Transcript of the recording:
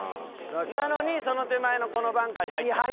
なのにその手前のこのバンカーに入ったんか。